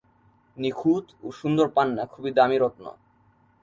নিখুঁত ও সুন্দর পান্না খুবই দামি রত্ন।